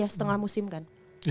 setengah musim kan